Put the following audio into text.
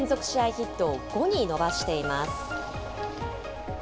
ヒットを５に伸ばしています。